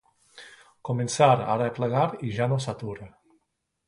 Començar a arreplegar i ja no s'atura.